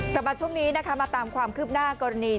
สำหรับช่วงนี้มาตามความขึ้นหน้ากรณี